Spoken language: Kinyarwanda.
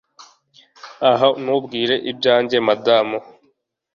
Ah ntumbwire ibyanjye madamu